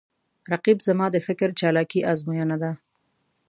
رقیب زما د فکر چالاکي آزموینه ده